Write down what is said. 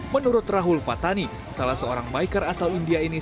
menurut rahul fathani salah seorang biker asal india ini